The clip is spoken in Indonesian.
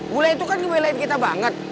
bule itu kan ngebelain kita banget